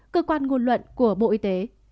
cơ quan ngôn luận của bộ y tế